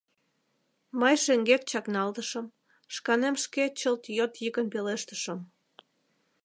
Мый шеҥгек чакналтышым, шканем шке чылт йот йӱкын пелештышым: